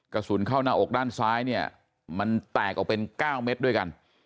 กระสุนเข้าหน้าอกด้านซ้ายเนี่ยมันแตกออกเป็น๙เม็ดด้วยกัน